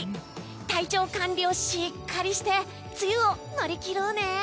体調管理をしっかりして梅雨を乗り切ろうね！